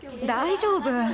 大丈夫。